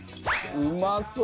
うまそう！